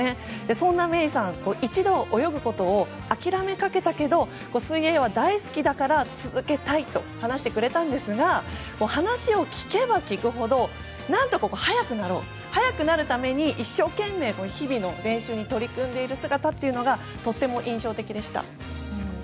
そんな愛依さん、一度は泳ぐことを諦めかけたけど水泳は大好きだから続けたいと話してくれたんですが話を聞けば聞くほど何とか早くなろうと早くなるために一生懸命日々の練習に取り組んでいる姿がとっても印象的でした。